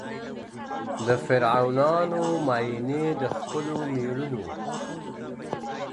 د فرعونانو ماينې د خپلو مېړونو